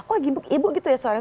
oh ibu gitu ya suaranya